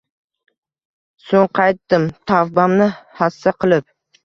So‘ng qaytdim tavbamni hassa qilib